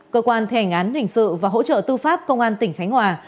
cơ quan thẻnh án hình sự và hỗ trợ tư pháp công an tỉnh khánh hòa